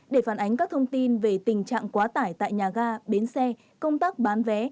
để phản ánh các thông tin về tình trạng quá tải tại nhà ga bến xe công tác bán vé